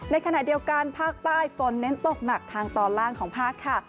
ในขณะเดียวกันภาคใต้ฝนเน้นตกหนักทางตอนล่างของภาคค่ะ